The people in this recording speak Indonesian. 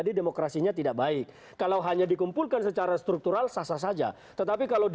dan di dalam a consumer